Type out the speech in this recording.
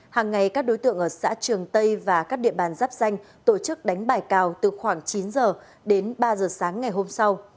hàng ngày các đối tượng ở xã trường tây và các địa bàn giáp danh tổ chức đánh bài cào từ khoảng chín h đến ba giờ sáng ngày hôm sau